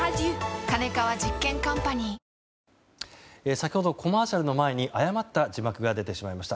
先ほどコマーシャルの前に誤った字幕が出てしまいました。